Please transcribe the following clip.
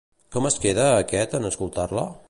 Com es queda aquest en escoltar-la?